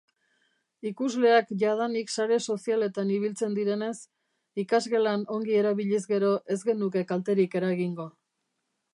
Ikasleak jadanik sare sozialetan ibiltzen direnez, ikasgelan ongi erabiliz gero ez genuke kalterik eragingo.